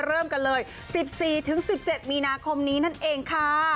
เริ่มกันเลย๑๔๑๗มีนาคมนี้นั่นเองค่ะ